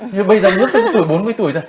nhưng mà bây giờ mất tới tuổi bốn mươi tuổi rồi